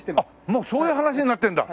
もうそういう話になってるんだ。